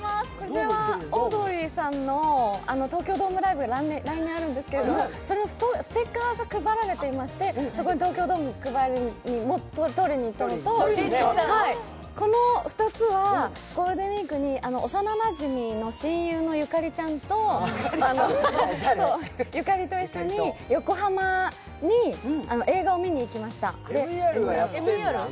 オードリーさんの東京ドームライブが来年あるんですけれども、そのステッカーが配られていまして、東京ドームに取りにいったのと、この２つはゴールデンウイークに幼なじみの親友のユカリと一緒に横浜に映画を見に行きました。